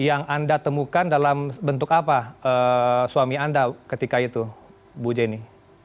yang anda temukan dalam bentuk apa suami anda ketika itu bu jenny